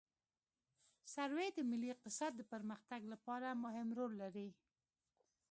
سروې د ملي اقتصاد د پرمختګ لپاره مهم رول لري